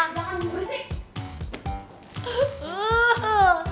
eh jangan diberi sih